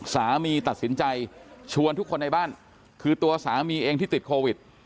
สามีตัดสินใจชวนทุกคนในบ้านคือตัวสามีเองที่ติดโควิด